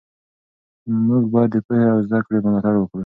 موږ باید د پوهې او زده کړې ملاتړ وکړو.